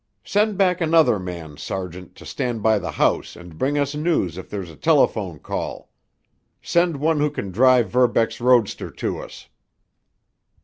Send back another man, sergeant, to stand by the house and bring us news if there's a telephone call. Send one who can drive Verbeck's roadster to us!"